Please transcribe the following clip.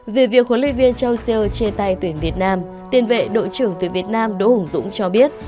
vì việc hội liên viên châu siêu chê tay tuyển việt nam tiền vệ đội trưởng tuyển việt nam đỗ hùng dũng cho biết